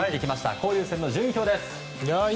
交流戦の順位表です。